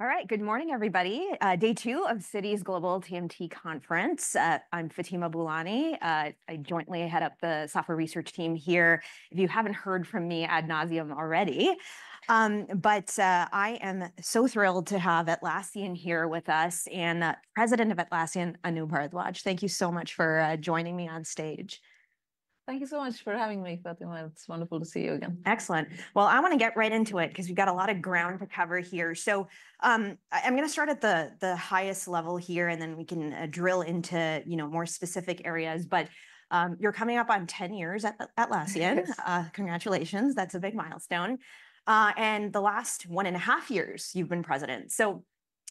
All right, good morning, everybody. Day two of Citi's Global TMT Conference. I'm Fatima Boolani. I jointly head up the software research team here, if you haven't heard from me ad nauseam already. But, I am so thrilled to have Atlassian here with us, and the president of Atlassian, Anu Bharadwaj. Thank you so much for joining me on stage. Thank you so much for having me, Fatima. It's wonderful to see you again. Excellent. Well, I wanna get right into it, 'cause we've got a lot of ground to cover here. So, I'm gonna start at the highest level here, and then we can drill into, you know, more specific areas. But, you're coming up on 10 years at Atlassian. Yes. Congratulations. That's a big milestone. And the last one and a half years, you've been president. So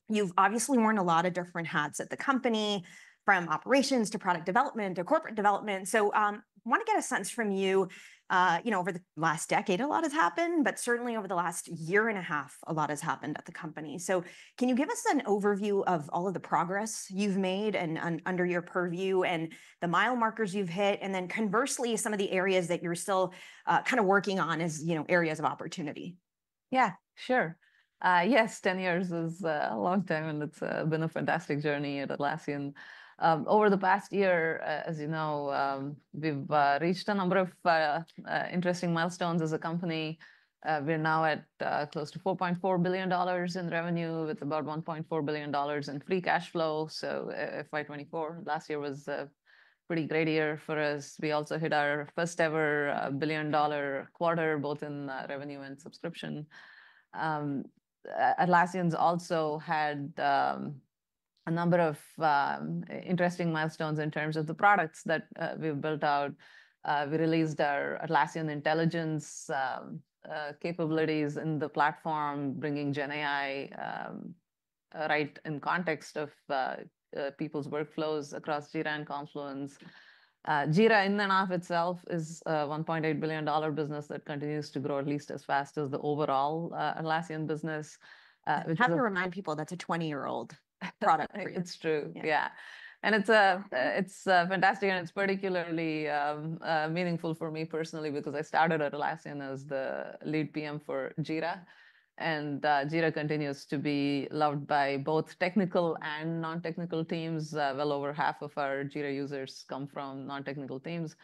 you've obviously worn a lot of different hats at the company, from operations to product development to corporate development. So, wanna get a sense from you. You know, over the last decade, a lot has happened, but certainly over the last year and a half, a lot has happened at the company. So can you give us an overview of all of the progress you've made and under your purview, and the mile markers you've hit, and then conversely, some of the areas that you're still kinda working on as, you know, areas of opportunity? Yeah, sure. Yes, 10 years is a long time, and it's been a fantastic journey at Atlassian. Over the past year, as you know, we've reached a number of interesting milestones as a company. We're now at close to $4.4 billion in revenue, with about $1.4 billion in free cash flow. So, FY 2024, last year, was a pretty great year for us. We also hit our first-ever billion-dollar quarter, both in revenue and subscription. Atlassian's also had a number of interesting milestones in terms of the products that we've built out. We released our Atlassian Intelligence capabilities in the platform, bringing gen AI right in context of people's workflows across Jira and Confluence. Jira in and of itself is a $1.8 billion business that continues to grow at least as fast as the overall Atlassian business, which- I have to remind people that's a 20-year-old product for you. It's true. Yeah. Yeah. And it's fantastic, and it's particularly meaningful for me personally because I started at Atlassian as the lead PM for Jira, and Jira continues to be loved by both technical and non-technical teams. Well over half of our Jira users come from non-technical teams.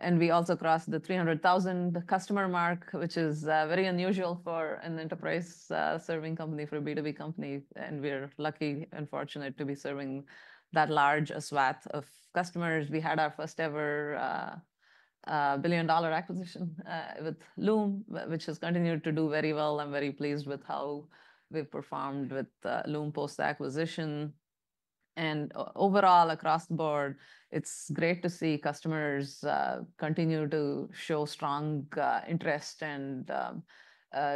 And we also crossed the 300,000 customer mark, which is very unusual for an enterprise serving company, for a B2B Company, and we're lucky and fortunate to be serving that large a swath of customers. We had our first ever billion-dollar acquisition with Loom, which has continued to do very well. I'm very pleased with how we've performed with Loom post-acquisition. And overall, across the board, it's great to see customers continue to show strong interest and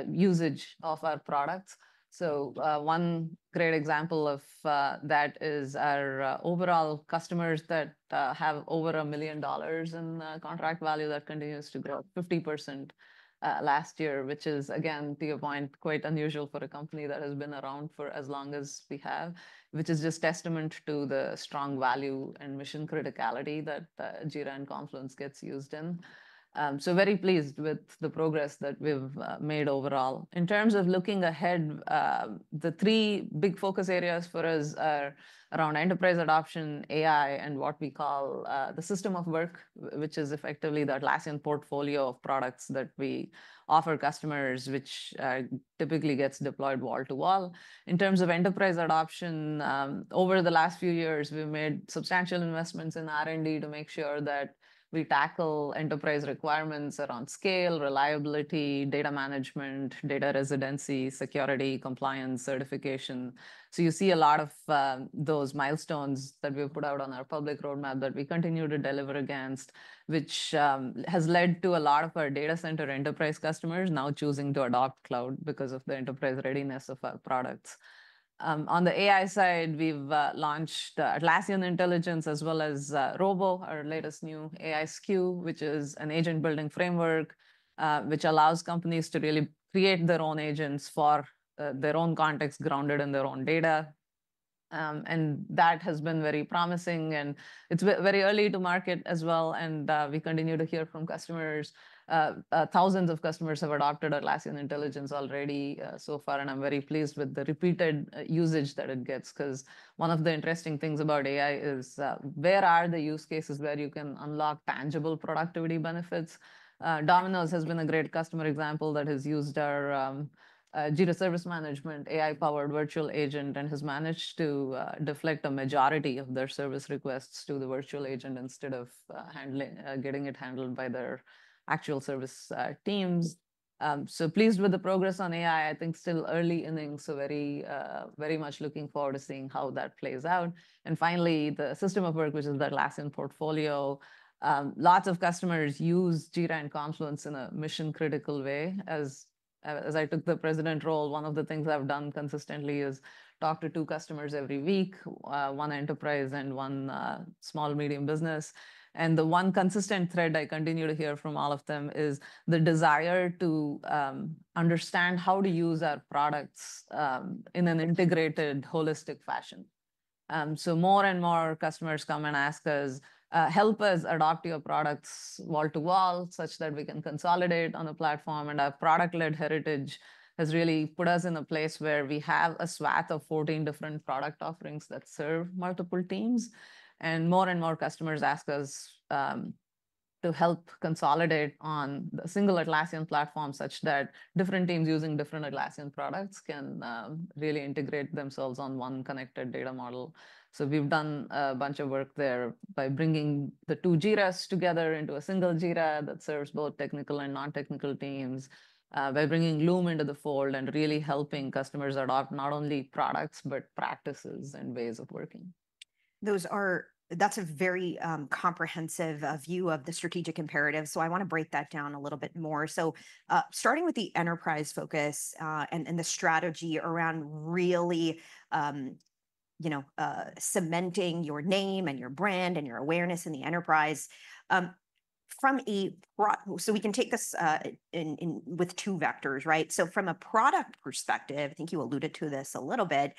usage of our products. One great example of that is our overall customers that have over $1 million in contract value that continues to grow 50% last year, which is, again, to your point, quite unusual for a company that has been around for as long as we have, which is just testament to the strong value and mission criticality that Jira and Confluence gets used in. Very pleased with the progress that we've made overall. In terms of looking ahead, the three big focus areas for us are around enterprise adoption, AI, and what we call the system of work, which is effectively the Atlassian portfolio of products that we offer customers, which typically gets deployed wall to wall. In terms of enterprise adoption, over the last few years, we've made substantial investments in R&D to make sure that we tackle enterprise requirements around scale, reliability, data management, data residency, security, compliance, certification. So you see a lot of those milestones that we've put out on our public roadmap that we continue to deliver against, which has led to a lot of our data center enterprise customers now choosing to adopt cloud because of the enterprise readiness of our products. On the AI side, we've launched Atlassian Intelligence, as well as Rovo, our latest new AI SKU, which is an agent-building framework, which allows companies to really create their own agents for their own context, grounded in their own data. And that has been very promising, and it's very early to market as well, and we continue to hear from customers. Thousands of customers have adopted Atlassian Intelligence already, so far, and I'm very pleased with the repeated usage that it gets, 'cause one of the interesting things about AI is, where are the use cases where you can unlock tangible productivity benefits? Domino's has been a great customer example that has used our Jira Service Management AI-powered virtual agent and has managed to deflect a majority of their service requests to the virtual agent instead of handling... getting it handled by their actual service teams. So pleased with the progress on AI. I think still early innings, so very much looking forward to seeing how that plays out. Finally, the system of work, which is the Atlassian portfolio. Lots of customers use Jira and Confluence in a mission-critical way. As I took the president role, one of the things I've done consistently is talk to two customers every week, one enterprise and one small/medium business, and the one consistent thread I continue to hear from all of them is the desire to understand how to use our products in an integrated, holistic fashion, so more and more customers come and ask us, "Help us adopt your products wall to wall, such that we can consolidate on a platform." Our product-led heritage has really put us in a place where we have a swath of 14 different product offerings that serve multiple teams. And more and more customers ask us to help consolidate on a single Atlassian platform, such that different teams using different Atlassian products can really integrate themselves on one connected data model. So we've done a bunch of work there by bringing the two Jiras together into a single Jira that serves both technical and non-technical teams by bringing Loom into the fold and really helping customers adopt not only products, but practices and ways of working. That's a very comprehensive view of the strategic imperative, so I wanna break that down a little bit more. So starting with the enterprise focus, and the strategy around really you know cementing your name, and your brand, and your awareness in the enterprise. So we can take this in with two vectors, right? So from a product perspective, I think you alluded to this a little bit,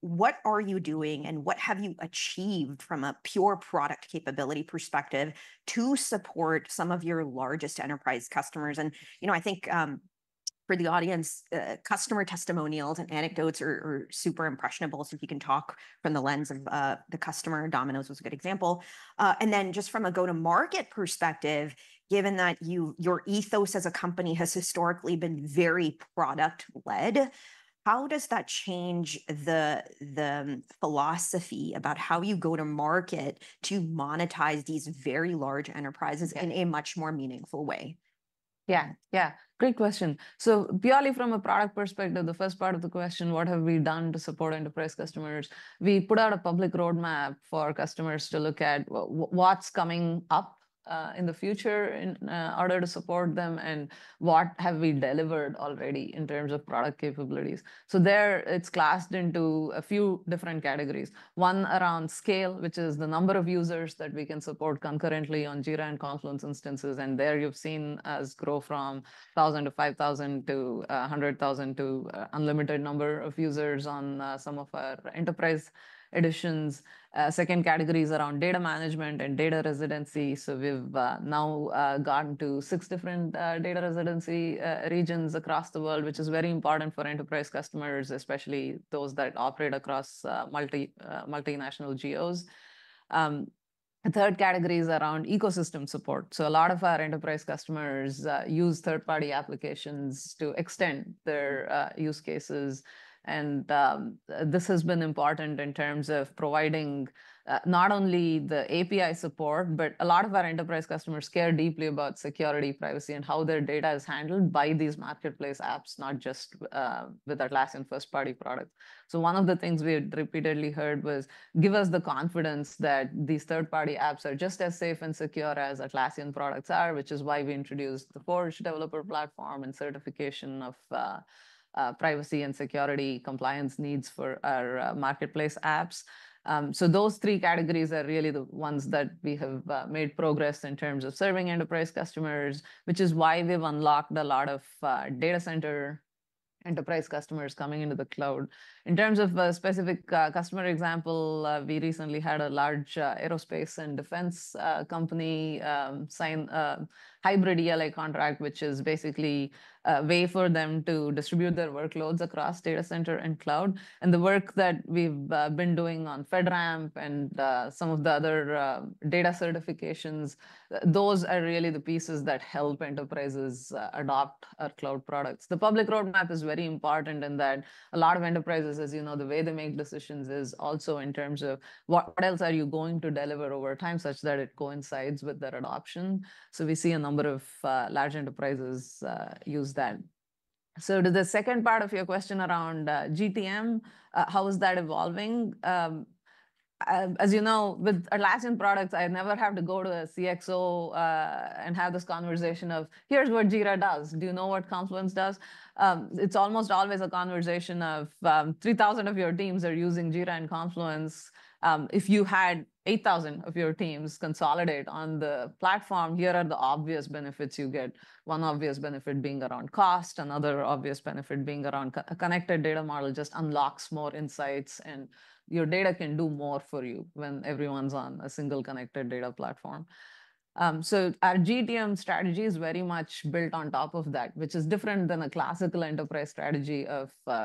what are you doing, and what have you achieved from a pure product capability perspective to support some of your largest enterprise customers? And you know I think for the audience customer testimonials and anecdotes are super impressionable. So if you can talk from the lens of the customer. Domino's was a good example. And then just from a go-to-market perspective, given that your ethos as a company has historically been very product-led, how does that change the philosophy about how you go to market to monetize these very large enterprises in a much more meaningful way? Yeah, yeah, great question. So purely from a product perspective, the first part of the question, what have we done to support enterprise customers? We put out a public roadmap for customers to look at what's coming up in the future in order to support them, and what have we delivered already in terms of product capabilities. So there, it's classed into a few different categories. One around scale, which is the number of users that we can support concurrently on Jira and Confluence instances, and there you've seen us grow from 1,000-5,000 to a 100,000 to unlimited number of users on some of our enterprise editions. Second category is around data management and data residency, so we've now gotten to six different data residency regions across the world, which is very important for enterprise customers, especially those that operate across multinational geos. Third category is around ecosystem support. So a lot of our enterprise customers use third-party applications to extend their use cases, and this has been important in terms of providing not only the API support, but a lot of our enterprise customers care deeply about security, privacy, and how their data is handled by these marketplace apps, not just with Atlassian first-party products. So one of the things we had repeatedly heard was: "Give us the confidence that these third-party apps are just as safe and secure as Atlassian products are," which is why we introduced the Forge developer platform and certification of privacy and security compliance needs for our marketplace apps. So those three categories are really the ones that we have made progress in terms of serving enterprise customers, which is why we've unlocked a lot of data center enterprise customers coming into the cloud. In terms of a specific customer example, we recently had a large aerospace and defense company sign a hybrid ELA contract, which is basically a way for them to distribute their workloads across data center and cloud. And the work that we've been doing on FedRAMP and some of the other data certifications, those are really the pieces that help enterprises adopt our cloud products. The public roadmap is very important in that a lot of enterprises, as you know, the way they make decisions is also in terms of what else are you going to deliver over time, such that it coincides with their adoption. We see a number of large enterprises use that. To the second part of your question around GTM, how is that evolving? As you know, with Atlassian products, I never have to go to a CxO and have this conversation of: "Here's what Jira does. Do you know what Confluence does?" It's almost always a conversation of: "3,000 of your teams are using Jira and Confluence. If you had eight thousand of your teams consolidate on the platform, here are the obvious benefits you get." One obvious benefit being around cost. Another obvious benefit being around a connected data model just unlocks more insights, and your data can do more for you when everyone's on a single connected data platform. So our GTM strategy is very much built on top of that, which is different than a classical enterprise strategy of a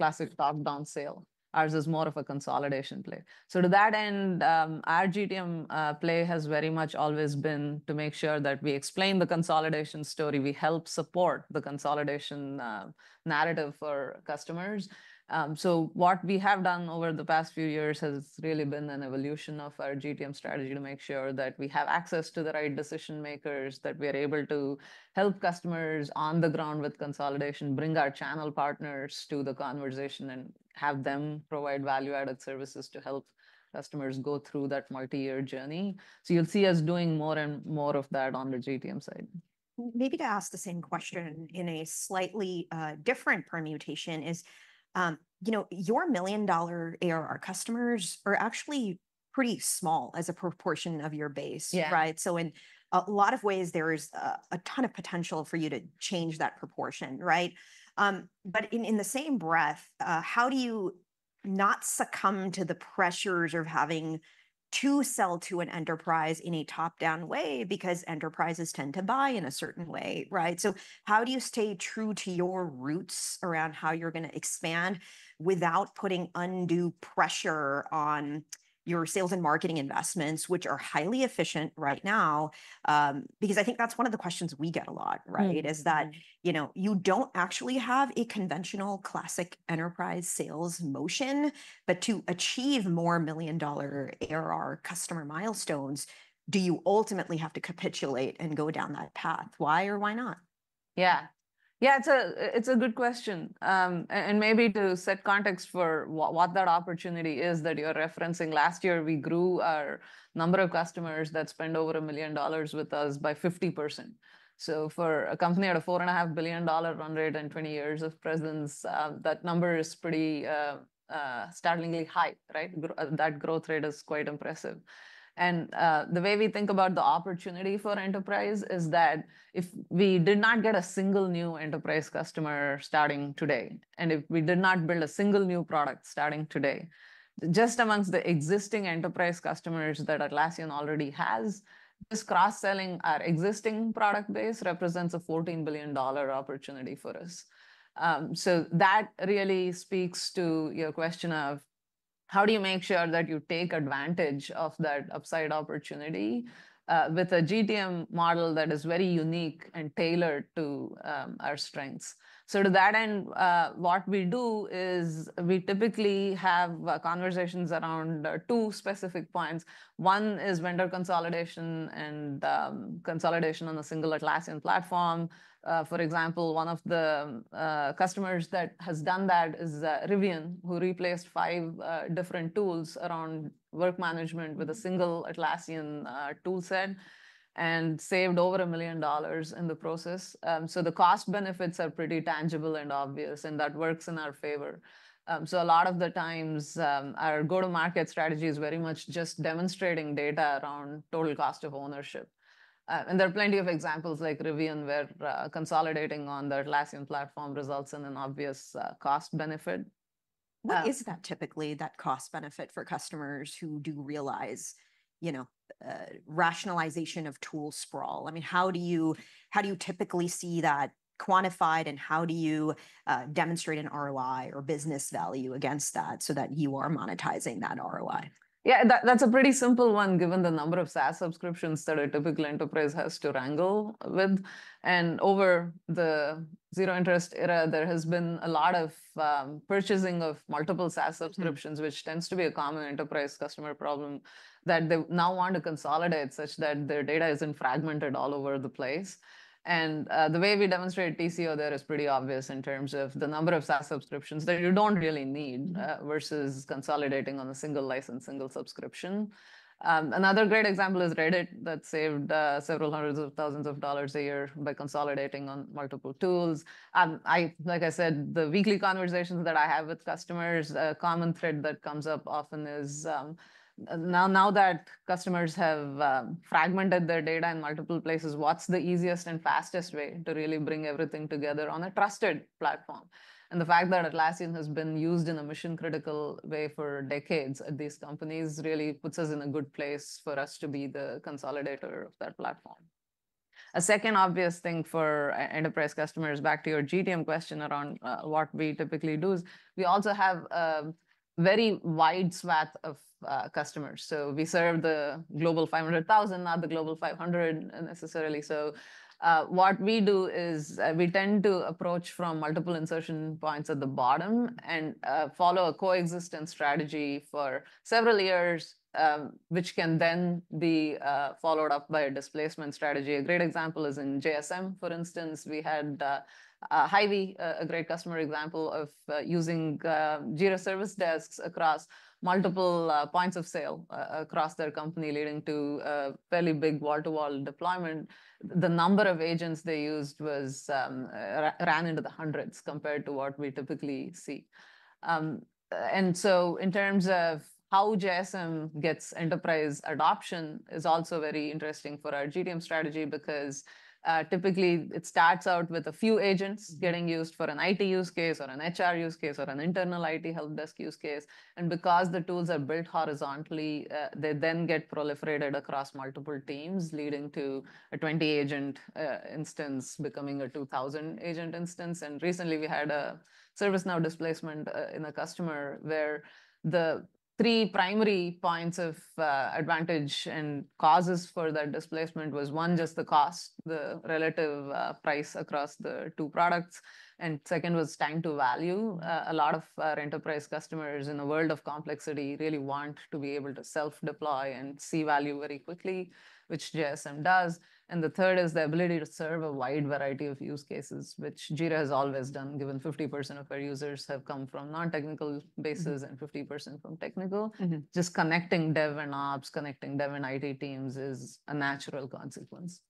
classic top-down sale. Ours is more of a consolidation play. So to that end, our GTM play has very much always been to make sure that we explain the consolidation story. We help support the consolidation narrative for customers. So what we have done over the past few years has really been an evolution of our GTM strategy to make sure that we have access to the right decision-makers, that we are able to help customers on the ground with consolidation, bring our channel partners to the conversation, and have them provide value-added services to help customers go through that multi-year journey. So you'll see us doing more and more of that on the GTM side. Maybe to ask the same question in a slightly different permutation is, you know, your million-dollar ARR customers are actually pretty small as a proportion of your base. Yeah. Right? So in a lot of ways, there is a ton of potential for you to change that proportion, right? But in the same breath, how do you not succumb to the pressures of having to sell to an enterprise in a top-down way? Because enterprises tend to buy in a certain way, right? So how do you stay true to your roots around how you're gonna expand without putting undue pressure on your sales and marketing investments, which are highly efficient right now? Because I think that's one of the questions we get a lot, right? Mm. Is that, you know, you don't actually have a conventional, classic enterprise sales motion. But to achieve more million-dollar ARR customer milestones, do you ultimately have to capitulate and go down that path? Why or why not? Yeah. Yeah, it's a good question. And maybe to set context for what that opportunity is that you're referencing, last year, we grew our number of customers that spend over $1 million with us by 50%. So for a company at a $4.5 billion, 120 years of presence, that number is pretty startlingly high, right? That growth rate is quite impressive. And the way we think about the opportunity for enterprise is that if we did not get a single new enterprise customer starting today, and if we did not build a single new product starting today, just amongst the existing enterprise customers that Atlassian already has, just cross-selling our existing product base represents a $14 billion opportunity for us. So that really speaks to your question of: How do you make sure that you take advantage of that upside opportunity with a GTM model that is very unique and tailored to our strengths? So to that end, what we do is we typically have conversations around two specific points. One is vendor consolidation and consolidation on a single Atlassian platform. For example, one of the customers that has done that is Rivian, who replaced five different tools around work management with a single Atlassian tool set and saved over $1 million in the process. So the cost benefits are pretty tangible and obvious, and that works in our favor. So a lot of the times, our go-to-market strategy is very much just demonstrating data around total cost of ownership. And there are plenty of examples like Rivian, where consolidating on the Atlassian platform results in an obvious cost benefit. What is that typically, that cost benefit for customers who do realize, you know, rationalization of tool sprawl? I mean, how do you, how do you typically see that quantified, and how do you demonstrate an ROI or business value against that so that you are monetizing that ROI? Yeah, that, that's a pretty simple one, given the number of SaaS subscriptions that a typical enterprise has to wrangle with. And over the zero-interest era, there has been a lot of purchasing of multiple SaaS subscriptions- Mm... which tends to be a common enterprise customer problem, that they now want to consolidate such that their data isn't fragmented all over the place. And the way we demonstrate TCO there is pretty obvious in terms of the number of SaaS subscriptions that you don't really need versus consolidating on a single license, single subscription. Another great example is Reddit, that saved several hundreds of thousands of dollars a year by consolidating on multiple tools. Like I said, the weekly conversations that I have with customers, a common thread that comes up often is now that customers have fragmented their data in multiple places, what's the easiest and fastest way to really bring everything together on a trusted platform? The fact that Atlassian has been used in a mission-critical way for decades at these companies really puts us in a good place for us to be the consolidator of that platform. A second obvious thing for enterprise customers, back to your GTM question around what we typically do, is we also have a very wide swath of customers. So we serve the Global 500,000, not the Global 500, necessarily. What we do is we tend to approach from multiple insertion points at the bottom and follow a coexistence strategy for several years, which can then be followed up by a displacement strategy. A great example is in JSM, for instance. We had Hy-Vee, a great customer example of using Jira service desks across multiple points of sale across their company, leading to a fairly big wall-to-wall deployment. The number of agents they used ran into the hundreds compared to what we typically see, and so in terms of how JSM gets enterprise adoption is also very interesting for our GTM strategy because typically it starts out with a few agents getting used for an IT use case or an HR use case or an internal IT help desk use case, because the tools are built horizontally, they then get proliferated across multiple teams, leading to a 20-agent instance becoming a 2,000-agent instance. And recently, we had a ServiceNow displacement in a customer, where the three primary points of advantage and causes for that displacement was, one, just the cost, the relative price across the two products, and second was time to value. A lot of our enterprise customers in a world of complexity really want to be able to self-deploy and see value very quickly, which JSM does. And the third is the ability to serve a wide variety of use cases, which Jira has always done, given 50% of our users have come from non-technical bases- Mm-hmm... and 50% from technical. Mm-hmm. Just connecting dev and ops, connecting dev and IT teams, is a natural consequence....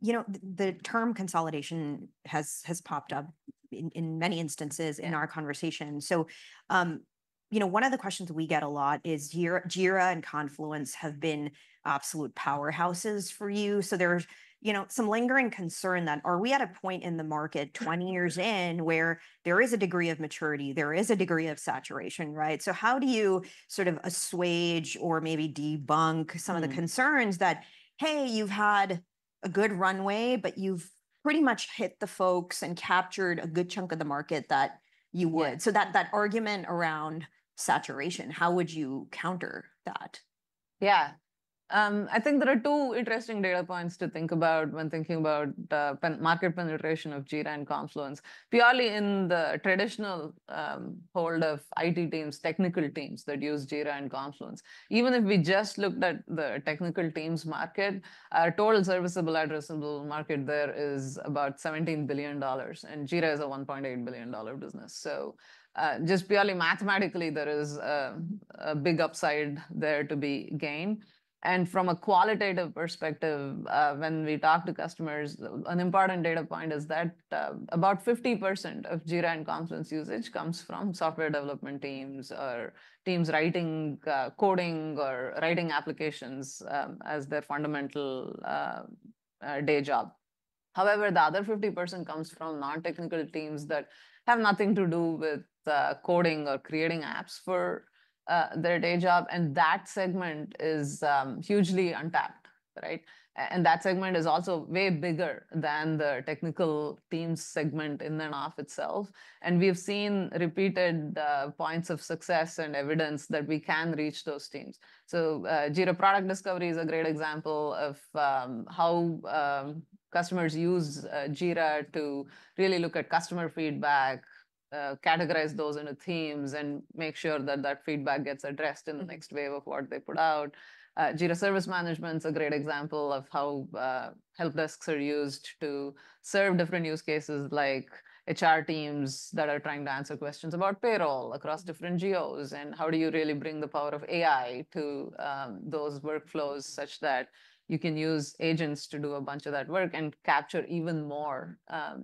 you know, the term consolidation has popped up in many instances in our conversation. So, you know, one of the questions we get a lot is Jira and Confluence have been absolute powerhouses for you. So there's, you know, some lingering concern that are we at a point in the market 20 years in where there is a degree of maturity, there is a degree of saturation, right? So how do you sort of assuage or maybe debunk some of the concerns that, "Hey, you've had a good runway, but you've pretty much hit the folks and captured a good chunk of the market that you would? Yeah. So that, that argument around saturation, how would you counter that? Yeah. I think there are two interesting data points to think about when thinking about market penetration of Jira and Confluence. Purely in the traditional hold of IT teams, technical teams that use Jira and Confluence, even if we just looked at the technical teams market, our total serviceable addressable market there is about $17 billion, and Jira is a $1.8 billion business. So, just purely mathematically, there is a big upside there to be gained. And from a qualitative perspective, when we talk to customers, an important data point is that about 50% of Jira and Confluence usage comes from software development teams or teams writing coding or writing applications as their fundamental day job. However, the other 50% comes from non-technical teams that have nothing to do with coding or creating apps for their day job, and that segment is hugely untapped, right? And that segment is also way bigger than the technical teams segment in and of itself, and we've seen repeated points of success and evidence that we can reach those teams. So, Jira Product Discovery is a great example of how customers use Jira to really look at customer feedback, categorize those into themes, and make sure that that feedback gets addressed in the next wave of what they put out. Jira Service Management's a great example of how help desks are used to serve different use cases, like HR teams that are trying to answer questions about payroll across different geos, and how do you really bring the power of AI to those workflows such that you can use agents to do a bunch of that work and capture even more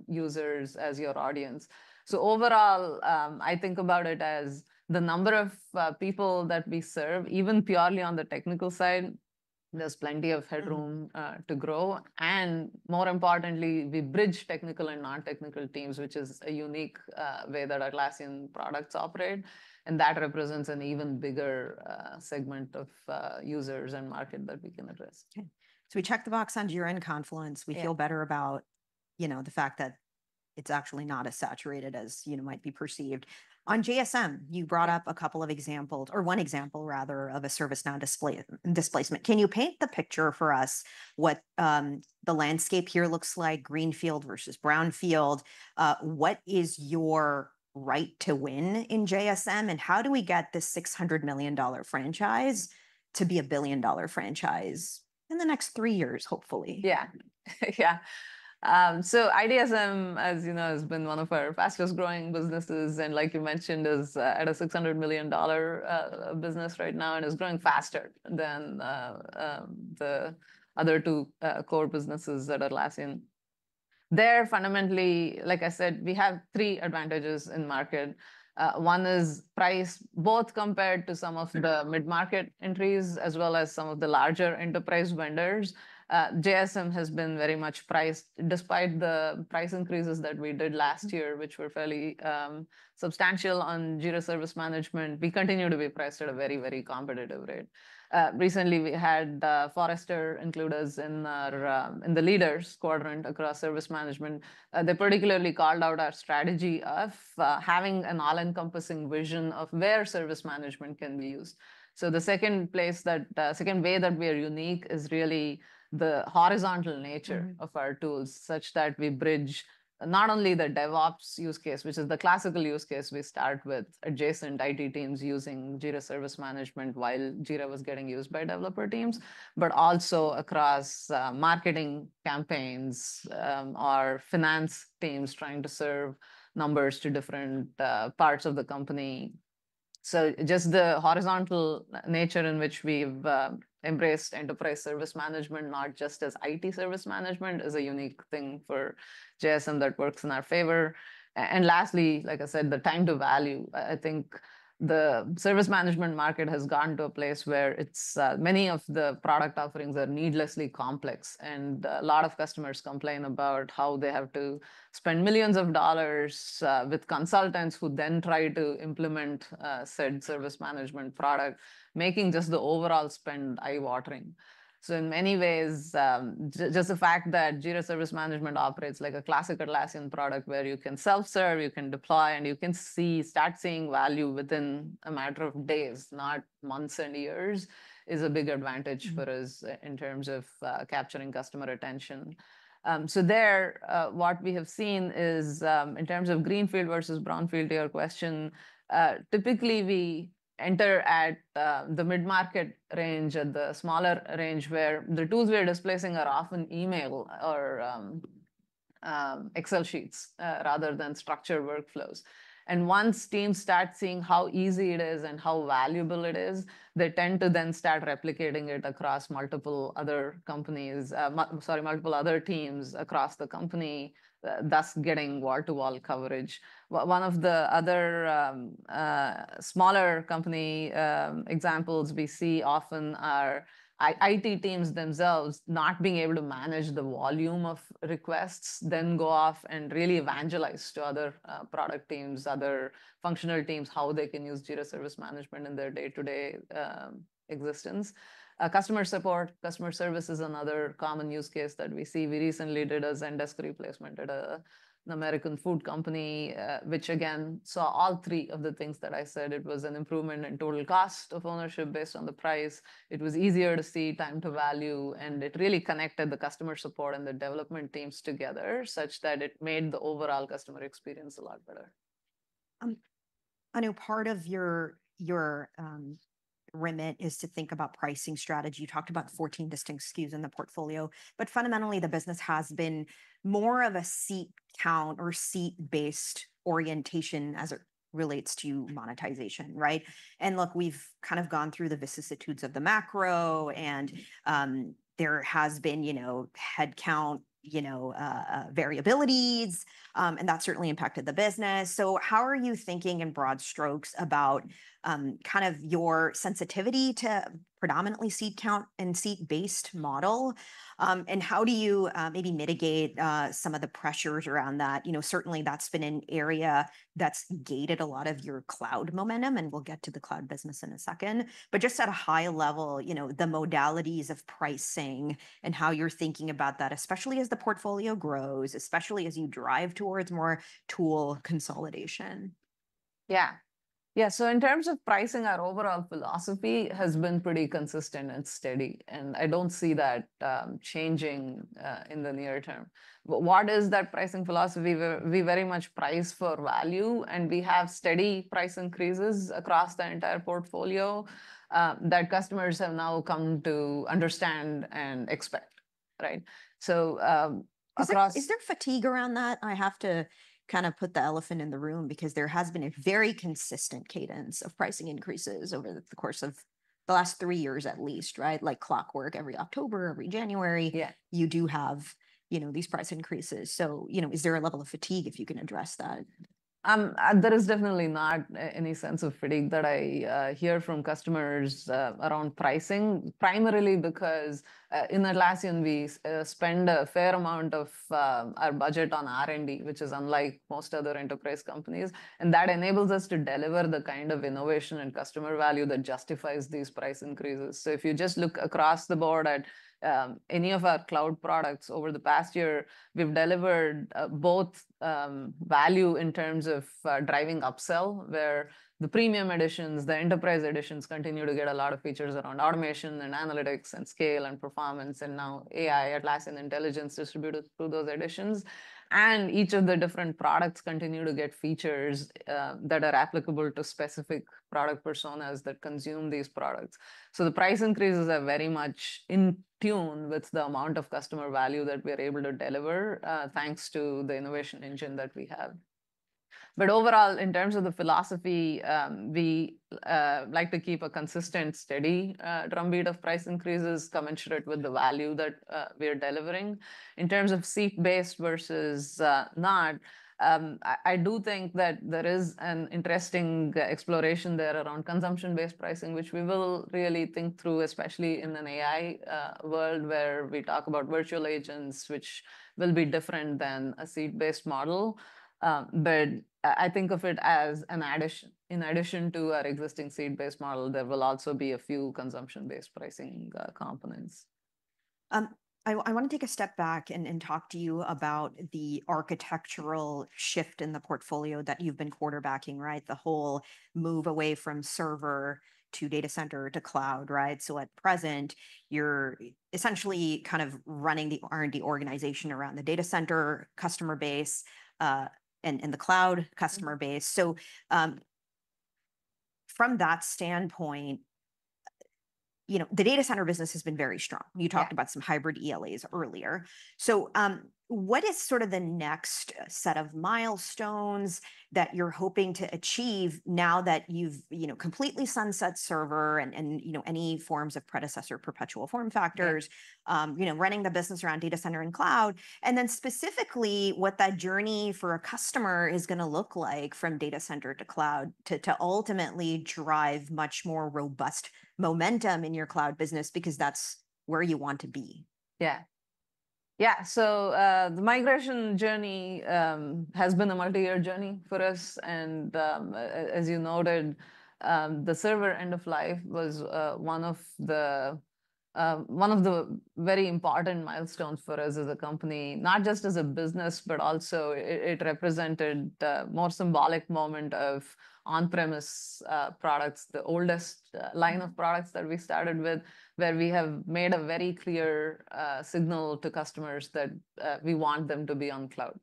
users as your audience. So overall, I think about it as the number of people that we serve, even purely on the technical side, there's plenty of headroom to grow. And more importantly, we bridge technical and non-technical teams, which is a unique way that Atlassian products operate, and that represents an even bigger segment of users and market that we can address. Okay, so we checked the box on Jira and Confluence. Yeah. We feel better about, you know, the fact that it's actually not as saturated as, you know, might be perceived. On JSM, you brought up a couple of examples, or one example rather, of a ServiceNow displacement. Can you paint the picture for us what the landscape here looks like, greenfield versus brownfield? What is your right to win in JSM, and how do we get this $600 million franchise to be a billion-dollar franchise in the next three years, hopefully? So JSM, as you know, has been one of our fastest-growing businesses, and like you mentioned, is at a $600 million business right now, and is growing faster than the other two core businesses at Atlassian. There, fundamentally, like I said, we have three advantages in market. One is price, both compared to some of the- Sure... mid-market entries, as well as some of the larger enterprise vendors. JSM has been very much priced... Despite the price increases that we did last year, which were fairly substantial on Jira Service Management, we continue to be priced at a very, very competitive rate. Recently we had Forrester include us in our in the leaders quadrant across service management. They particularly called out our strategy of having an all-encompassing vision of where service management can be used. So the second place that second way that we are unique is really the horizontal nature- Mm-hmm... of our tools, such that we bridge not only the DevOps use case, which is the classical use case. We start with adjacent IT teams using Jira Service Management while Jira was getting used by developer teams, but also across, marketing campaigns, or finance teams trying to serve numbers to different, parts of the company. So just the horizontal nature in which we've embraced enterprise service management, not just as IT service management, is a unique thing for JSM that works in our favor. And lastly, like I said, the time to value. I think the service management market has gotten to a place where it's many of the product offerings are needlessly complex, and a lot of customers complain about how they have to spend millions of dollars with consultants who then try to implement said service management product, making just the overall spend eye-watering. So in many ways, just the fact that Jira Service Management operates like a classic Atlassian product, where you can self-serve, you can deploy, and you can start seeing value within a matter of days, not months and years, is a big advantage. Mm-hmm... for us in terms of capturing customer attention. So what we have seen is in terms of greenfield versus brownfield, to your question, typically we enter at the mid-market range or the smaller range, where the tools we are displacing are often email or Excel sheets rather than structured workflows. And once teams start seeing how easy it is and how valuable it is, they tend to then start replicating it across multiple other companies, sorry, multiple other teams across the company, thus getting wall-to-wall coverage. One of the other smaller company examples we see often are IT teams themselves not being able to manage the volume of requests, then go off and really evangelize to other product teams, other functional teams, how they can use Jira Service Management in their day-to-day existence. Customer support, customer service is another common use case that we see. We recently did a Zendesk replacement at an American food company, which again, saw all three of the things that I said. It was an improvement in total cost of ownership based on the price, it was easier to see time to value, and it really connected the customer support and the development teams together such that it made the overall customer experience a lot better. I know part of your remit is to think about pricing strategy. You talked about 14 distinct SKUs in the portfolio, but fundamentally the business has been more of a seat count or seat-based orientation as it relates to monetization, right? And look, we've kind of gone through the vicissitudes of the macro, and there has been, you know, headcount, you know, variabilities, and that certainly impacted the business. So how are you thinking in broad strokes about kind of your sensitivity to predominantly seat count and seat-based model? And how do you maybe mitigate some of the pressures around that? You know, certainly that's been an area that's gated a lot of your cloud momentum, and we'll get to the cloud business in a second. But just at a high level, you know, the modalities of pricing and how you're thinking about that, especially as the portfolio grows, especially as you drive towards more tool consolidation. Yeah. Yeah, so in terms of pricing, our overall philosophy has been pretty consistent and steady, and I don't see that changing in the near term. But what is that pricing philosophy? We very much price for value, and we have steady price increases across the entire portfolio that customers have now come to understand and expect, right? So, across- Is there, is there fatigue around that? I have to kind of put the elephant in the room, because there has been a very consistent cadence of pricing increases over the course of the last three years at least, right? Like clockwork, every October, every January- Yeah... you do have, you know, these price increases. So, you know, is there a level of fatigue, if you can address that? There is definitely not any sense of fatigue that I hear from customers around pricing, primarily because in Atlassian we spend a fair amount of our budget on R&D, which is unlike most other enterprise companies, and that enables us to deliver the kind of innovation and customer value that justifies these price increases, so if you just look across the board at any of our cloud products over the past year, we've delivered both value in terms of driving upsell, where the premium editions, the enterprise editions continue to get a lot of features around automation and analytics and scale and performance, and now AI, Atlassian Intelligence, distributed through those editions, and each of the different products continue to get features that are applicable to specific product personas that consume these products. So the price increases are very much in tune with the amount of customer value that we're able to deliver, thanks to the innovation engine that we have. But overall, in terms of the philosophy, we like to keep a consistent, steady drumbeat of price increases commensurate with the value that we're delivering. In terms of seat-based versus not, I do think that there is an interesting exploration there around consumption-based pricing, which we will really think through, especially in an AI world, where we talk about virtual agents, which will be different than a seat-based model. But I think of it as an addition. In addition to our existing seat-based model, there will also be a few consumption-based pricing components. I wanna take a step back and talk to you about the architectural shift in the portfolio that you've been quarterbacking, right? The whole move away from server to data center to cloud, right? So at present, you're essentially kind of running the R&D organization around the data center customer base, and the cloud customer base. So, from that standpoint, you know, the data center business has been very strong. Yeah. You talked about some hybrid ELAs earlier. So, what is sort of the next set of milestones that you're hoping to achieve now that you've, you know, completely sunset server and you know any forms of predecessor perpetual form factors? Yeah... you know, running the business around Data Center and Cloud? And then specifically, what that journey for a customer is gonna look like from Data Center to Cloud to ultimately drive much more robust momentum in your Cloud business, because that's where you want to be. Yeah. Yeah, so, the migration journey has been a multi-year journey for us, and as you noted, the Server end of life was one of the very important milestones for us as a company. Not just as a business, but also it represented a more symbolic moment of on-premise products, the oldest line of products that we started with, where we have made a very clear signal to customers that we want them to be on Cloud.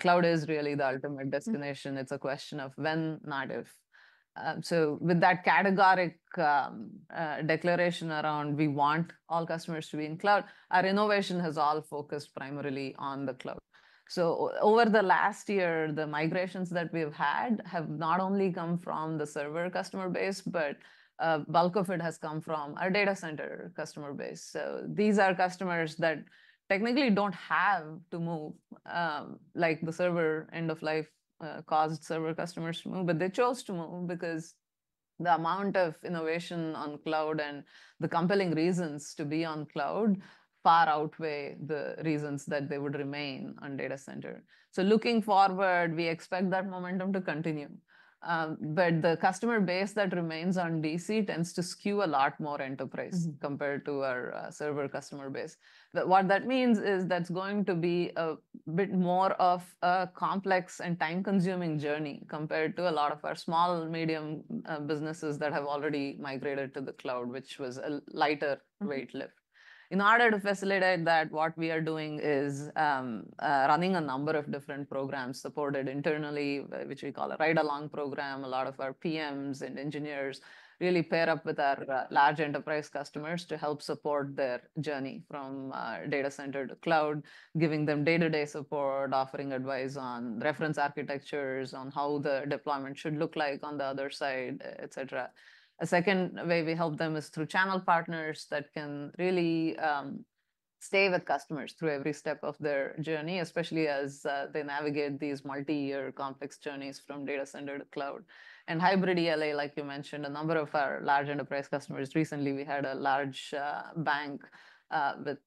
Cloud is really the ultimate destination. It's a question of when, not if. So with that categorical declaration around we want all customers to be in Cloud, our innovation has all focused primarily on the Cloud. Over the last year, the migrations that we've had have not only come from the Server customer base, but a bulk of it has come from our Data Center customer base. These are customers that technically don't have to move, like the Server end of life caused Server customers to move, but they chose to move because the amount of innovation on Cloud and the compelling reasons to be on Cloud far outweigh the reasons that they would remain on Data Center. Looking forward, we expect that momentum to continue, but the customer base that remains on DC tends to skew a lot more enterprise- Mm - compared to our server customer base. But what that means is that's going to be a bit more of a complex and time-consuming journey compared to a lot of our small, medium businesses that have already migrated to the cloud, which was a lighter weight lift. Mm. In order to facilitate that, what we are doing is running a number of different programs supported internally, which we call a ride-along program. A lot of our PMs and engineers really pair up with our large enterprise customers to help support their journey from Data Center to Cloud, giving them day-to-day support, offering advice on reference architectures, on how the deployment should look like on the other side, et cetera. A second way we help them is through channel partners that can really stay with customers through every step of their journey, especially as they navigate these multi-year complex journeys from Data Center to Cloud. And Hybrid ELA, like you mentioned, a number of our large enterprise customers... Recently, we had a large bank with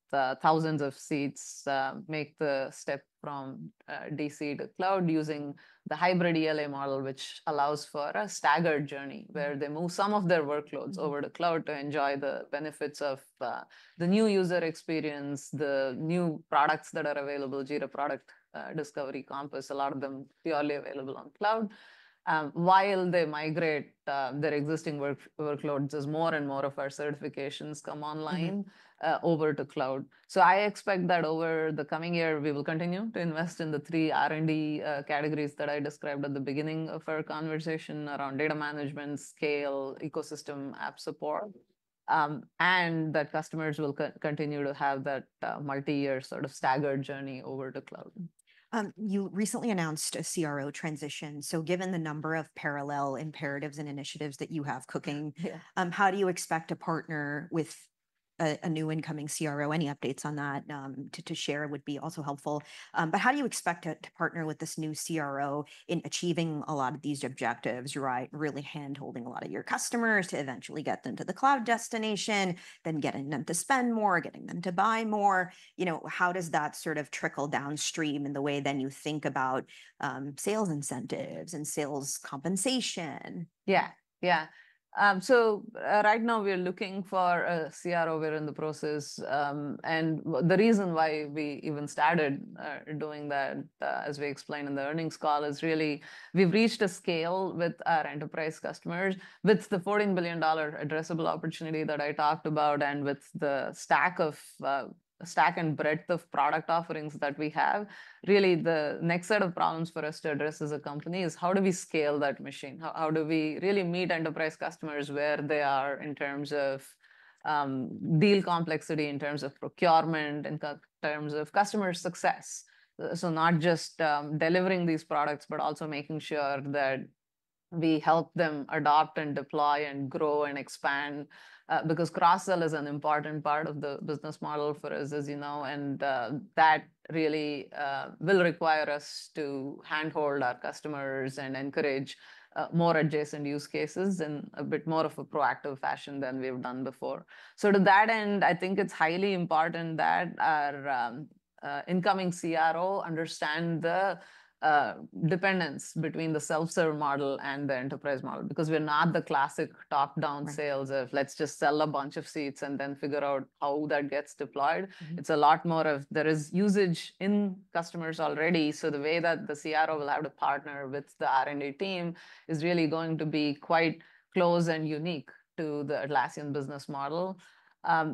thousands of seats make the step from DC to cloud using the hybrid ELA model, which allows for a staggered journey, where they move some of their workloads- Mm over to Cloud to enjoy the benefits of the new user experience, the new products that are available, Jira Product Discovery, Compass. A lot of them purely available on Cloud, while they migrate their existing workloads as more and more of our certifications come online. Mm-hmm... over to Cloud. So I expect that over the coming year, we will continue to invest in the three R&D categories that I described at the beginning of our conversation around data management, scale, ecosystem, app support, and that customers will continue to have that multi-year sort of staggered journey over to Cloud. You recently announced a CRO transition. So given the number of parallel imperatives and initiatives that you have cooking- Yeah. How do you expect to partner with a new incoming CRO? Any updates on that to share would be also helpful. But how do you expect to partner with this new CRO in achieving a lot of these objectives, right? Really handholding a lot of your customers to eventually get them to the cloud destination, then getting them to spend more, getting them to buy more. You know, how does that sort of trickle downstream in the way then you think about sales incentives and sales compensation? Yeah, yeah. So, right now we are looking for a CRO. We're in the process, and the reason why we even started doing that, as we explained in the earnings call, is really we've reached a scale with our enterprise customers. With the $14 billion addressable opportunity that I talked about, and with the stack and breadth of product offerings that we have, really, the next set of problems for us to address as a company is: how do we scale that machine? How do we really meet enterprise customers where they are in terms of deal complexity, in terms of procurement, in terms of customer success, so not just delivering these products, but also making sure that we help them adopt and deploy and grow and expand. Because cross-sell is an important part of the business model for us, as you know, and that really will require us to handhold our customers and encourage more adjacent use cases in a bit more of a proactive fashion than we've done before. So to that end, I think it's highly important that our incoming CRO understand the dependence between the self-serve model and the enterprise model. Because we're not the classic top-down sales- Right... of let's just sell a bunch of seats and then figure out how that gets deployed. Mm-hmm. It's a lot more of there is usage in customers already, so the way that the CRO will have to partner with the R&D team is really going to be quite close and unique to the Atlassian business model.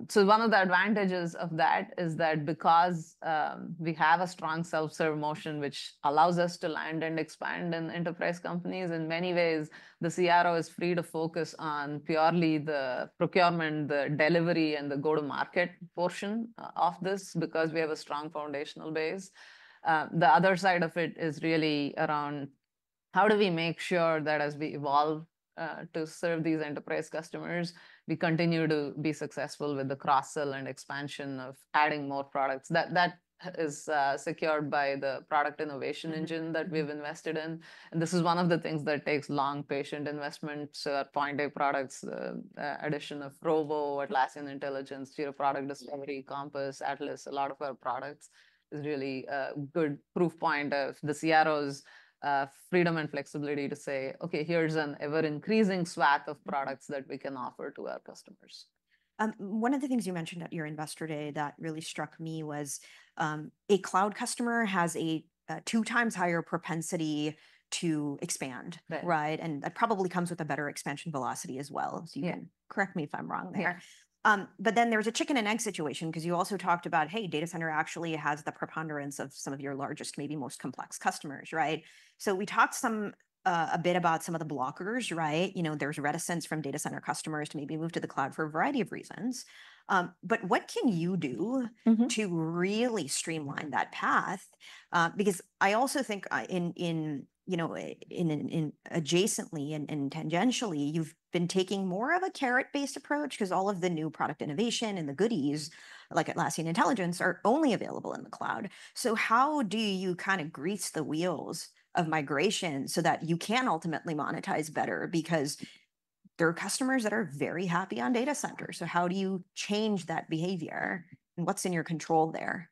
So one of the advantages of that is that because we have a strong self-serve motion, which allows us to land and expand in enterprise companies, in many ways, the CRO is free to focus on purely the procurement, the delivery, and the go-to-market portion of this because we have a strong foundational base. The other side of it is really around: how do we make sure that as we evolve to serve these enterprise customers, we continue to be successful with the cross-sell and expansion of adding more products? That, that is secured by the product innovation engine- Mm... that we've invested in, and this is one of the things that takes long, patient investment. So Point A Products, addition of Rovo, Atlassian Intelligence, Jira Product Discovery, Compass, Atlas, a lot of our products is really a good proof point of the CRO's freedom and flexibility to say, "Okay, here's an ever-increasing swath of products that we can offer to our customers. One of the things you mentioned at your Investor Day that really struck me was a cloud customer has a 2x higher propensity to expand. Right. Right? And that probably comes with a better expansion velocity as well. Yeah. So you can correct me if I'm wrong there. Yeah. But then there's a chicken-and-egg situation 'cause you also talked about, hey, Data Center actually has the preponderance of some of your largest, maybe most complex customers, right? So we talked some, a bit about some of the blockers, right? You know, there's reticence from Data Center customers to maybe move to the Cloud for a variety of reasons. But what can you do- Mm-hmm... to really streamline that path? Because I also think, you know, in adjacently and tangentially, you've been taking more of a carrot-based approach, 'cause all of the new product innovation and the goodies, like Atlassian Intelligence, are only available in the cloud. So how do you kind of grease the wheels of migration so that you can ultimately monetize better? Because there are customers that are very happy on data center, so how do you change that behavior, and what's in your control there?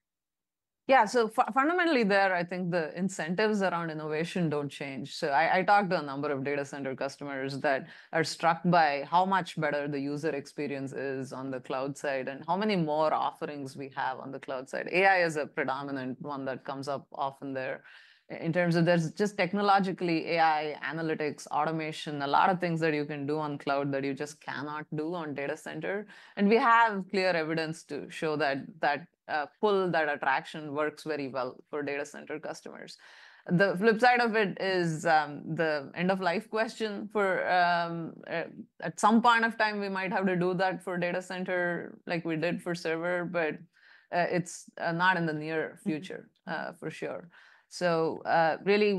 Yeah, so fundamentally there, I think the incentives around innovation don't change. So I talked to a number of Data Center customers that are struck by how much better the user experience is on the Cloud side and how many more offerings we have on the Cloud side. AI is a predominant one that comes up often there. In terms of there's just technologically, AI, analytics, automation, a lot of things that you can do on Cloud that you just cannot do on Data Center. And we have clear evidence to show that pull, that attraction works very well for Data Center customers. The flip side of it is the end-of-life question for Data Center. At some point of time, we might have to do that for Data Center like we did for Server, but it's not in the near future- Mm... for sure. So, really,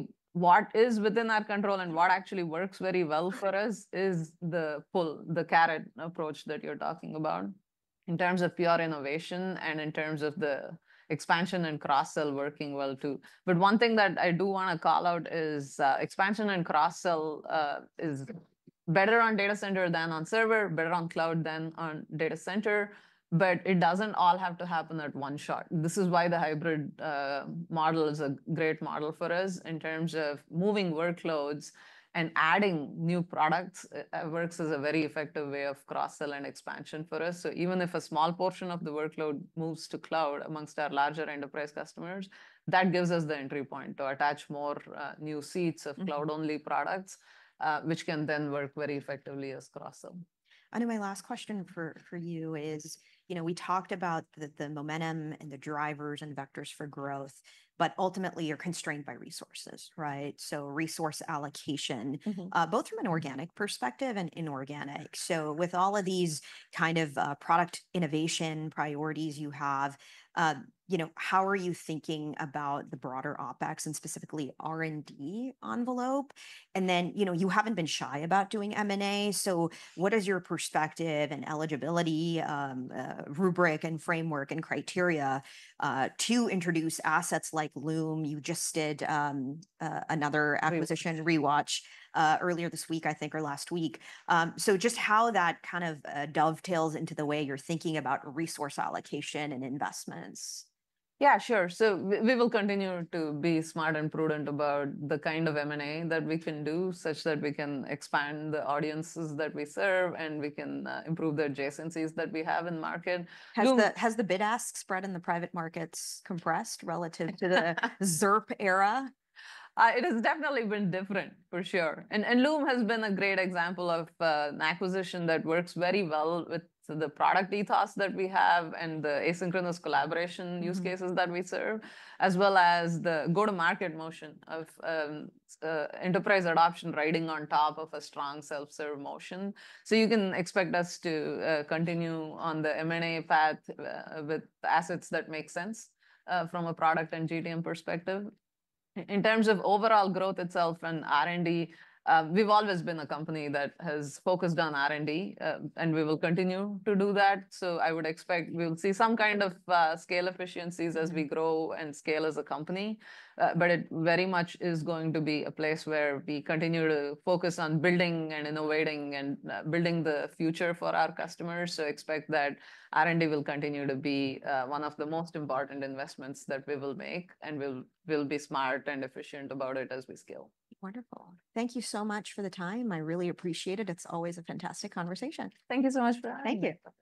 what is within our control and what actually works very well for us is the pull, the carrot approach that you're talking about, in terms of pure innovation and in terms of the expansion and cross-sell working well too. But one thing that I do wanna call out is, expansion and cross-sell, is better on Data Center than on Server, better on Cloud than on Data Center, but it doesn't all have to happen at one shot. This is why the hybrid model is a great model for us in terms of moving workloads and adding new products, works as a very effective way of cross-sell and expansion for us. So even if a small portion of the workload moves to cloud among our larger enterprise customers, that gives us the entry point to attach more new seats. Mm... of cloud-only products, which can then work very effectively as cross-sell. I know my last question for you is, you know, we talked about the momentum and the drivers and vectors for growth, but ultimately you're constrained by resources, right? So resource allocation- Mm-hmm... both from an organic perspective and inorganic. So with all of these kind of product innovation priorities you have, you know, how are you thinking about the broader OpEx and specifically R&D envelope? And then, you know, you haven't been shy about doing M&A, so what is your perspective and eligibility, rubric, and framework, and criteria, to introduce assets like Loom? You just did another acquisition- Right... Rewatch earlier this week, I think, or last week, so just how that kind of dovetails into the way you're thinking about resource allocation and investments. Yeah, sure. So we will continue to be smart and prudent about the kind of M&A that we can do, such that we can expand the audiences that we serve, and we can improve the adjacencies that we have in the market. Loom- Has the bid-ask spread in the private markets compressed relative to the- ZIRP era? It has definitely been different, for sure, and Loom has been a great example of an acquisition that works very well with the product ethos that we have and the asynchronous collaboration use cases- Mm... that we serve, as well as the go-to-market motion of, enterprise adoption riding on top of a strong self-serve motion. So you can expect us to continue on the M&A path with assets that make sense from a product and GTM perspective. In terms of overall growth itself and R&D, we've always been a company that has focused on R&D, and we will continue to do that. So I would expect we'll see some kind of scale efficiencies as we grow and scale as a company. But it very much is going to be a place where we continue to focus on building and innovating, and building the future for our customers. So expect that R&D will continue to be one of the most important investments that we will make, and we'll be smart and efficient about it as we scale. Wonderful. Thank you so much for the time. I really appreciate it. It's always a fantastic conversation. Thank you so much for having me. Thank you.